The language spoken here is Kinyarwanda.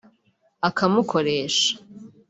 akamukoresha